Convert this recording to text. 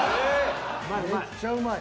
めっちゃうまい。